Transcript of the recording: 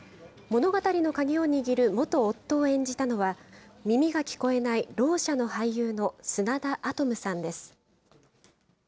物語の鍵を握る元夫を演じたのは、耳が聞こえないろう者の俳優の砂田アトムさんです。